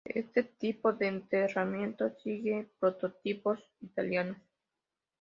Este tipo de enterramiento sigue prototipos italianos.